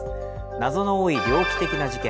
謎の多い猟奇的な事件。